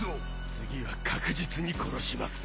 次は確実に殺しますぜ。